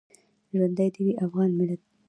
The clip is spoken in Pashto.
ژوندی دې وي افغان ملت؟